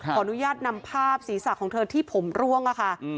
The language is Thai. ขออนุญาตนำภาพศีรษะของเธอที่ผมร่วงค่ะ